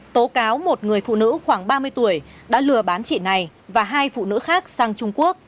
tố cáo một người phụ nữ khoảng ba mươi tuổi đã lừa bán chị này và hai phụ nữ khác sang trung quốc